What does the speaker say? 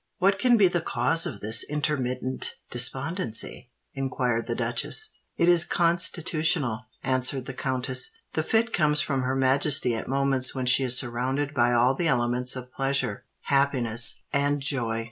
"What can be the cause of this intermittent despondency?" inquired the duchess. "It is constitutional," answered the countess. "The fit comes upon her Majesty at moments when she is surrounded by all the elements of pleasure, happiness, and joy.